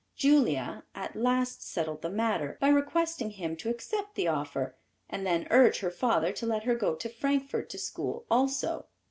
Julia at, last settled the matter, by requesting him to accept the offer, and then urge her father to let her go to Frankfort to school also.